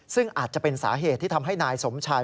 ซึ่งอาจจะเป็นสาเหตุที่ทำให้นายสมชาย